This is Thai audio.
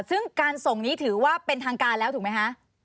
ซึ่งการส่งนี้ถือว่าเป็นทางการแล้วถูกไหมคะ